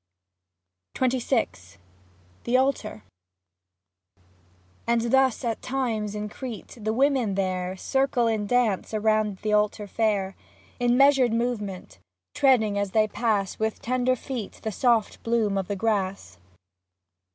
XXVI THE ALTAR And thus at times, in Crete, the women there Circle in dance around the altar fair ; In measured movement, treading as they pass W^ith tender feet the soft bloom of the grass.